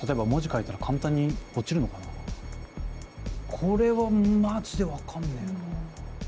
これはマジで分かんねえな。